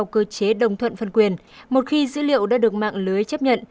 cơ chế đồng thuận phân quyền một khi dữ liệu đã được mạng lưới chấp nhận